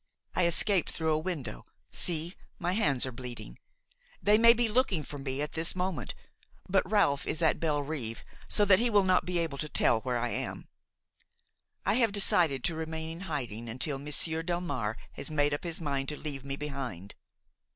I escaped through a window; see, my hands are bleeding. They may be looking for me at this moment, but Ralph is at Bellerive so that he will not be able to tell where I am. I have decided to remain in hiding until Monsieur Delmare has made up his mind to leave me behind.